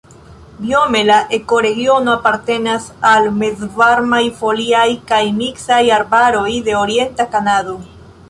Biome la ekoregiono apartenas al mezvarmaj foliaj kaj miksaj arbaroj de orienta Kanado.